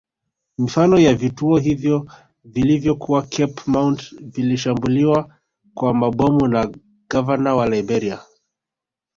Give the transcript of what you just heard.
Mifano ya vituo hivyo vilivyokuwa Cape Mount vilishambuliwa kwa mabomu na gavana wa Liberia